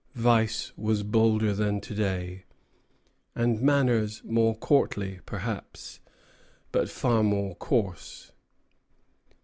Vice was bolder than to day, and manners more courtly, perhaps, but far more coarse.